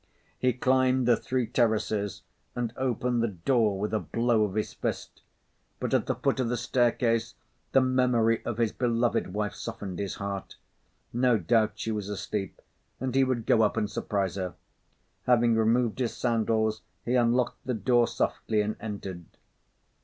He climbed the three terraces and opened the door with a blow of his fist; but at the foot of the staircase, the memory of his beloved wife softened his heart. No doubt she was asleep, and he would go up and surprise her. Having removed his sandals, he unlocked the door softly and entered.